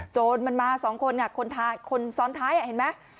จนมันมา๒คนคนซ้อนท้ายเห็นไหม